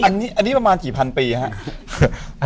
อันนี้ประมาณกี่พันปีครับ